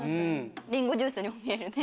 りんごジュースにも見えるね。